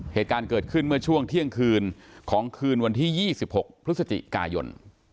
เหตุการณ์เกิดขึ้นเมื่อช่วงเที่ยงคืนของคืนวันที่๒๖พฤศจิกายน